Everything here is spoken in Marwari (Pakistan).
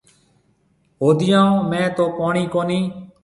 هوديون ۾ تو پوڻِي ڪونهي۔